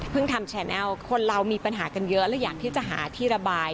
ทำแนลคนเรามีปัญหากันเยอะและอยากที่จะหาที่ระบาย